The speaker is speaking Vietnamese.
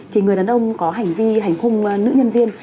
thì người đàn ông có hành vi hành hung nữ nhân viên